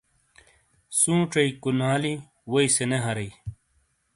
سُونچئی کُنالی ووئی سے نے ہَرئیی۔